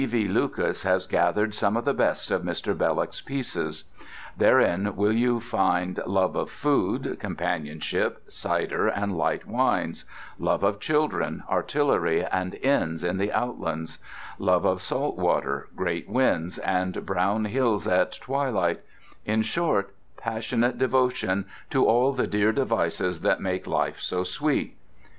V. Lucas has gathered some of the best of Mr. Belloc's pieces. Therein will you find love of food, companionship, cider and light wines; love of children, artillery, and inns in the outlands; love of salt water, great winds, and brown hills at twilight—in short, passionate devotion to all the dear devices that make life so sweet.